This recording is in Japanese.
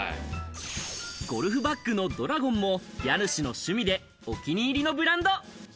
ゴルフバッグのドラゴンも、家主の趣味でお気に入りのブランド。